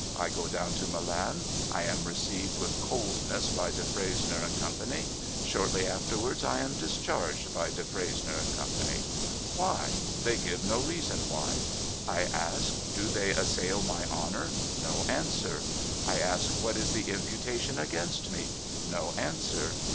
1 go down to Milan. I am received with coldness by Defresnier and Com pany. Shortly afterwards, I am discharged by Defresnier and Company. Why? They give no reason why. I ask, do they assail my honour ? No answer. I ask, what is the imputation against me ? No answer.